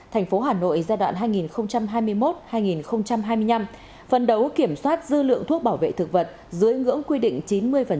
thành phố hà nội giai đoạn hai nghìn hai mươi một hai nghìn hai mươi năm phân đấu kiểm soát dư lượng thuốc bảo vệ thực vật dưới ngưỡng quy định chín mươi